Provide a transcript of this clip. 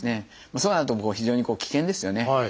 そうなると非常に危険ですよね。